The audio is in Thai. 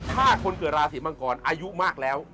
ถ้าคนเกิดราศีมังกรอายุมากแล้ว